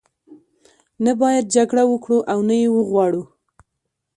نه باید جګړه وکړو او نه یې وغواړو.